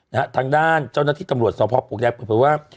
นะฮะทางด้านเจ้าหน้าที่ตำรวจสอบภาพปลูกแดงบอกไปว่า